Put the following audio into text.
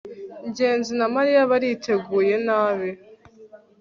ngenzi na mariya bariteguye nabi